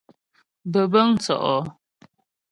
Bə̀bə̂ŋ tsɔ́' ɔ.